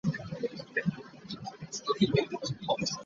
Nfubye okukunnyonnyola naye totegeera.